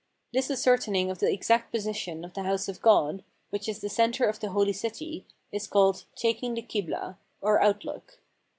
This ascertain ing of the exact position of the House of God, which is the center of the Holy City, is called " taking the Kiblah " or Outlook.